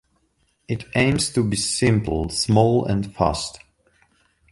It aims to be simple, small and fast.